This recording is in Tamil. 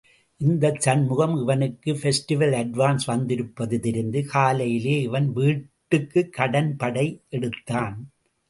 இந்த சண்முகம் இவனுக்கு பெஸ்டிவல் அட்வான்ஸ் வந்திருப்பது தெரிந்து, காலையிலேயே இவன் வீட்டுக்கு கடன்படை எடுத்தான்.